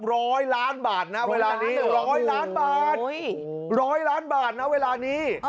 ร้อยล้านบาทนะเวลานี้ร้อยล้านบาทร้อยล้านบาทนะเวลานี้